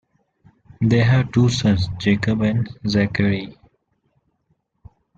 They have two sons, Jacob and Zachary.